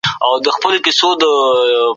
تاسو باید په خپل کار کي نظم ولرئ.